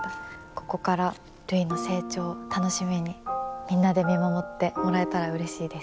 ここからるいの成長を楽しみにみんなで見守ってもらえたらうれしいです。